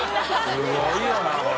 すごいよなこれ。